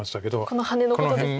このハネのことですね。